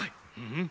うん？